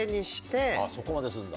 そこまでするんだ。